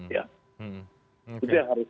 itu yang harus